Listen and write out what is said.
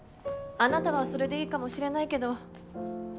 あなたはそれでいいかもしれないけど。